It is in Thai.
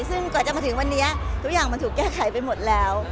ซึ่งกว่าจะมาถึงวันนี้ทุกอย่างมันถูกแก้ไขไปหมดแล้ว